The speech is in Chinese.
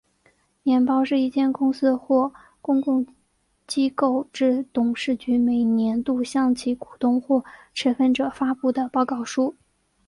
年报是一间公司或公共机构之董事局每年度向其股东或持份者发布的报告书。